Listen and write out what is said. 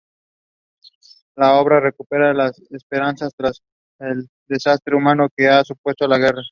La obra recupera la esperanza tras el desastre humano que ha supuesto la guerra.